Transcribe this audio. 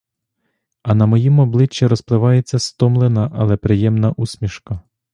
А на моїм обличчі розпливається стомлена, але приємна усмішка.